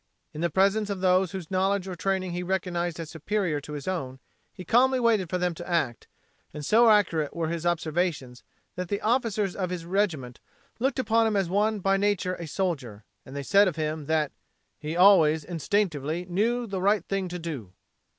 In the presence of those whose knowledge or training he recognized as superior to his own he calmly waited for them to act, and so accurate were his observations that the officers of his regiment looked upon him as one by nature a soldier, and they said of him that he "always seemed instinctively to know the right thing to do."